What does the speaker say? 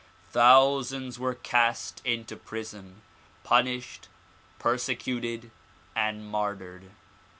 Thousands were cast into prison, punished, persecuted and martyred.